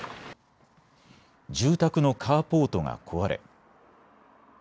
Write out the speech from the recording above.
住宅のカーポートが壊れ。